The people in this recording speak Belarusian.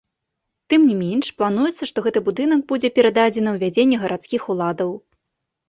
Тым не менш, плануецца, што гэты будынак будзе перададзены ў вядзенне гарадскіх уладаў.